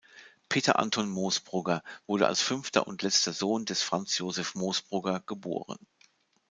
Peter Anton Moosbrugger wurde als fünfter und letzter Sohn des Franz Josef Moosbrugger geboren.